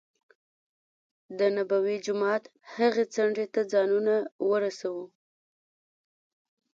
دنبوي جومات هغې څنډې ته ځانونه ورسو.